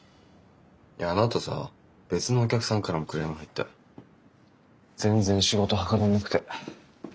あのあとさ別のお客さんからもクレーム入って全然仕事はかどらなくて。